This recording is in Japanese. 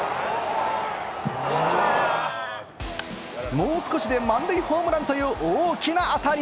もう少しで満塁ホームランという大きな当たり。